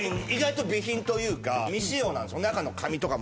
意外と美品というか。